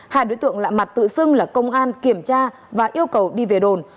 hai đối tượng lạ mặt tự xưng là công an kiểm tra và yêu cầu đi về đồn